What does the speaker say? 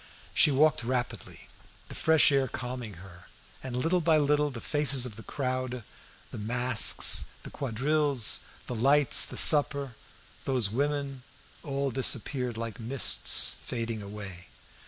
She walked rapidly; the fresh air calming her; and, little by little, the faces of the crowd, the masks, the quadrilles, the lights, the supper, those women, all disappeared like mists fading away.